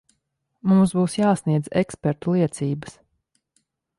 Mums būs jāsniedz ekspertu liecības.